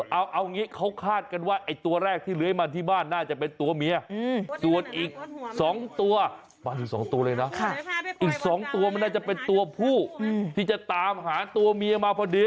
เอางี้เขาคาดกันว่าไอ้ตัวแรกที่เลื้อยมาที่บ้านน่าจะเป็นตัวเมียส่วนอีก๒ตัวมาอยู่๒ตัวเลยนะอีก๒ตัวมันน่าจะเป็นตัวผู้ที่จะตามหาตัวเมียมาพอดี